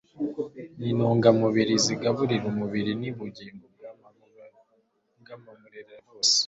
nintungamubiri zigaburira umubiri nubugingo bwabamurera bose